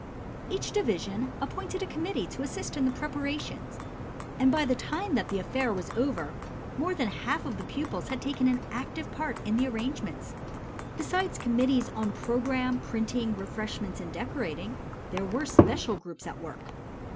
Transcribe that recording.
Each division appointed a committee to assist in the preparations, and by the time that the affair was over more than half of the pupils had taken an active part in the arrangements. Besides committees on program, printing, refreshments and decorating, there were special groups at work.